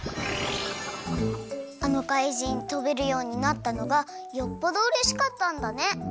あのかいじんとべるようになったのがよっぽどうれしかったんだね。